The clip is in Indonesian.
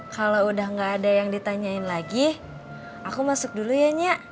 kalau udah gak ada yang ditanyain lagi aku masuk dulu ya nyak